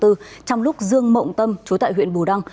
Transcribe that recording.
trong lúc dương mộng tâm chú tại huyện bù đăng